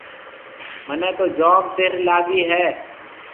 مهنَي تو جوم تره لاگِي هيَ۔